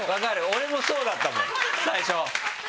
俺もそうだったもん最初。